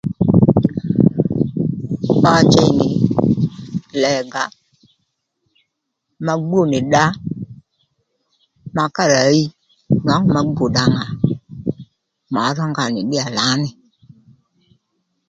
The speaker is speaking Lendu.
Ma njey nì lega ma gbú nì dda ma ká rà hiy nwaŋu ma gbû dda ŋà ma ró nga nì ddí ya lǎ nì